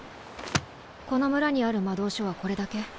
この村にある魔導書はこれだけ？